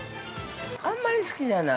◆あんまり好きじゃない。